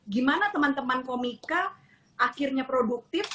gimana teman teman komika akhirnya produktif